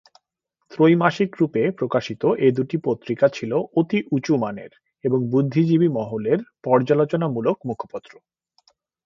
ত্রৈমাসিকরূপে প্রকাশিত এ দুটি পত্রিকা ছিল অতি উঁচুমানের এবং বুদ্ধিজীবী মহলের পর্যালোচনামূলক মুখপত্র।